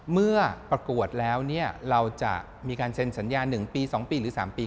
เมื่อประกวดแล้วเราจะมีการเซ็นสัญญา๑ปี๒ปีหรือ๓ปี